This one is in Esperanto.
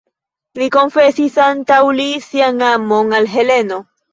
Li konfesis antaŭ li sian amon al Heleno.